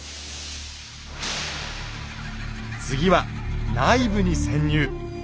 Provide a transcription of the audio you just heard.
次は内部に潜入。